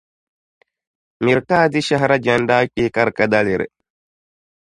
Miri ka a di shahira jɛndi a kpee ka di ka daliri.